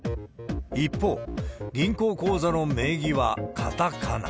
一方、銀行口座の名義はかたかな。